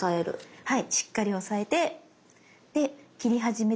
はい。